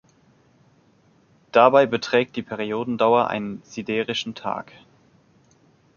Dabei beträgt die Periodendauer einen siderischen Tag.